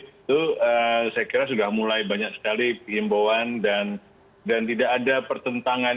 itu saya kira sudah mulai banyak sekali himbauan dan tidak ada pertentangan